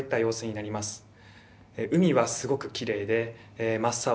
海はすごくきれいで真っ青。